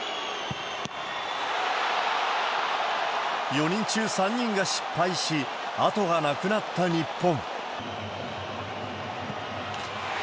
４人中３人が失敗し、後がなくなった日本。